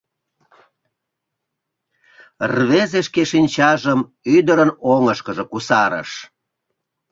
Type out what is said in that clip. Рвезе шке шинчажым ӱдырын оҥышкыжо кусарыш.